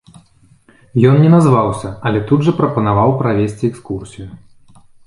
Ён не назваўся, але тут жа прапанаваў правесці экскурсію.